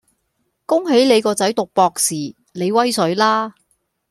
恭喜你個仔讀博士，你威水啦